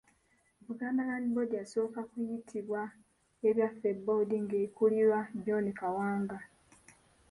Buganda Land Board yasooka kuyitibwa Ebyaffe Board nga ekulirwa John Kawanga.